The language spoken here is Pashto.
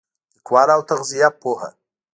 لیکواله او تغذیه پوهه